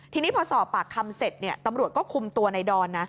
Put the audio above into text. ทีนี้พอสอบปากคำเสร็จตำรวจก็คุมตัวในดอนนะ